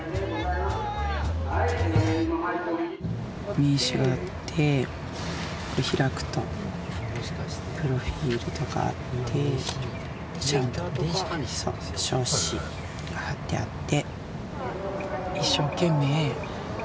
名刺があって開くとプロフィルとかあってちゃんと証紙が貼ってあって。